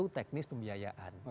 untuk teknis pembiayaan